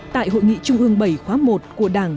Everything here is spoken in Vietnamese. tại hội nghị trung ương bảy khóa một của đảng